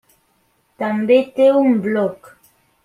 També té un bloc.